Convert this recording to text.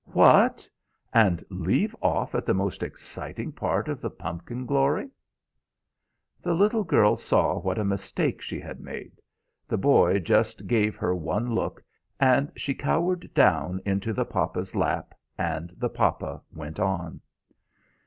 "What! And leave off at the most exciting part of the pumpkin glory?" The little girl saw what a mistake she had made; the boy just gave her one look, and she cowered down into the papa's lap, and the papa went on.